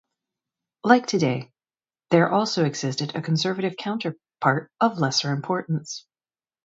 Like today, there also existed a conservative counterpart of lesser importance.